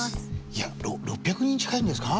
いや６００人近いんですか？